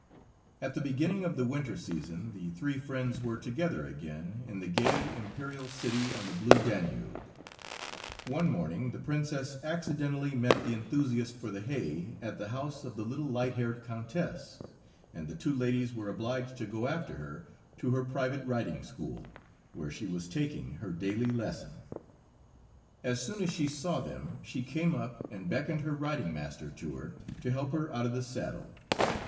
At the beginning of the winter season the three friends were together again in the gay, imperial city on the blue Danube. One morning the Princess accidentally met the enthusiast for the hay at the house of the little light haired Countess, and the two ladies were obliged to go after her to her private riding school, where she was taking her daily lesson. As soon as she saw them, she came up, and beckoned her riding master to her to help her out of the saddle.